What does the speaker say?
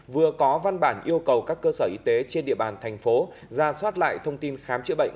vừa có văn bản yêu cầu các cơ sở y tế trên địa bàn thành phố ra soát lại thông tin khám chữa bệnh